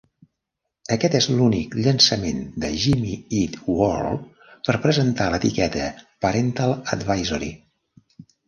Aquest és l'únic llançament de Jimmy Eat World per presentar l'etiqueta "Parental Advisory".